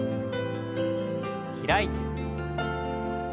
開いて。